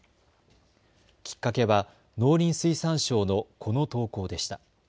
きっかけは農林水産省のこの投稿でした。